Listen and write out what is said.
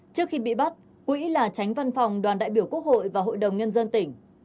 trước khi bị bắt quỹ là tránh văn phòng đoàn đại biểu quốc hội và hội đồng nhân dân tỉnh